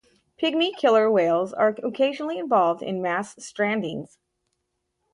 Pygmy killer whales are occasionally involved in mass strandings.